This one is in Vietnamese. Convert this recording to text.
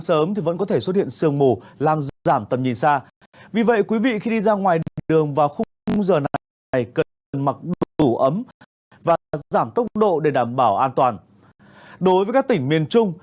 xin chào quý vị và các bạn